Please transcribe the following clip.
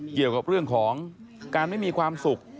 เกี่ยวกับเรื่องของการไม่มีความสุข